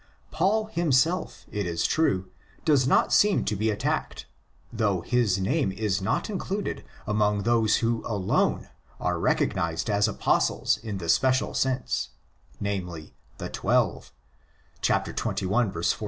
Paul himself, it is true, does not seem to be attacked, though his name is not included among those whoalone are recognised as Apostles in the special sense—namely, ''the Twelve"' (xxi.